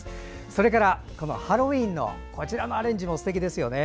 それから、ハロウィーンのアレンジもすてきですよね。